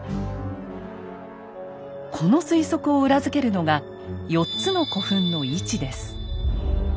この推測を裏付けるのが４つの古墳の位置です。